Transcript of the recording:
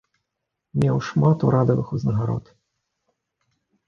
Меў шмат урадавых узнагарод.